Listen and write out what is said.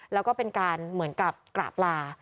แล้วก็เป็นการเหมือนกับกราบลา